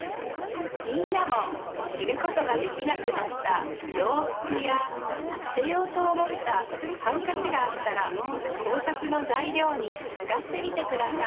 みんなもきることができなくなったようふくやすてようとおもったハンカチがあったらこうさくのざいりょうにつかってみてください。